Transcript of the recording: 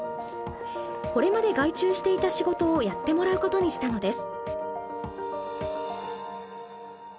これまで外注していた仕事をやってもらうことにしたのです。